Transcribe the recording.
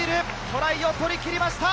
トライを取りきりました！